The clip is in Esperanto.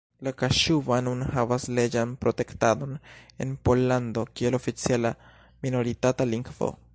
La kaŝuba nun havas leĝan protektadon en Pollando kiel oficiala minoritata lingvo.